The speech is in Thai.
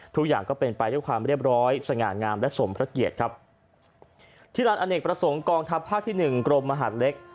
ทุกอย่างก็เป็นไปด้วยความเรียบร้อยสง่างามและสมพระเกียรติครับที่ร้านอเนกประสงค์กองทัพภาคที่หนึ่งกรมมหาดเล็ก